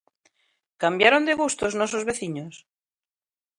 Cambiaron de gusto os nosos veciños?